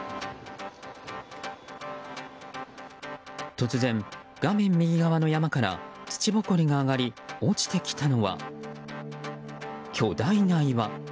突然、画面右側の山から土ぼこりが上がり落ちてきたのは巨大な岩。